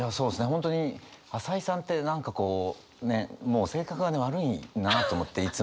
本当に朝井さんって何かこうねっもう性格が悪いなと思っていつも。